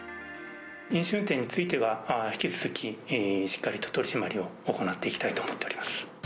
飲酒運転については、引き続き、しっかりと取締りを行っていきたいと思っております。